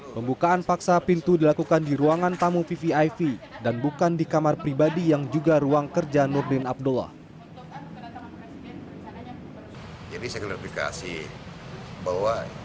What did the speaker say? pembukaan paksa pintu dilakukan di ruangan tamu vvip dan bukan di kamar pribadi yang juga ruang kerja nurdin abdullah